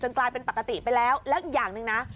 กลายเป็นปกติไปแล้วแล้วอีกอย่างหนึ่งนะ